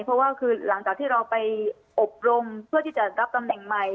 เพราะว่าคือหลังจากที่เราไปอบรมเพื่อที่จะรับตำแหน่งใหม่